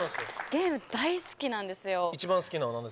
ゲーム大好きなんですよ